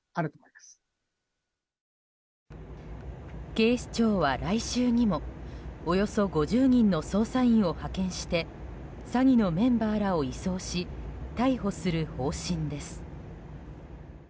警視庁は来週にもおよそ５０人の捜査員を派遣して詐欺のメンバーらを移送し逮捕する方針です。